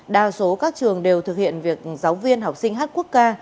đa số các trường đều thực hiện việc giáo viên học sinh hát quốc ca